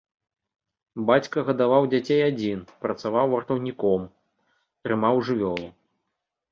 Бацька гадаваў дзяцей адзін, працаваў вартаўніком, трымаў жывёлу.